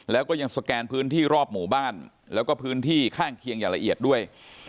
แล้วก็ยังสแกนพื้นที่รอบหมู่บ้านแล้วก็พื้นที่ข้างเคียงอย่างละเอียดด้วย